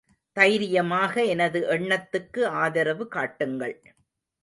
தைரியமாக எனது எண்ணத்துக்கு ஆதரவு காட்டுங்கள்.